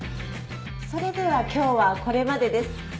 それでは今日はこれまでです